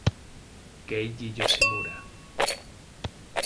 Keiji Yoshimura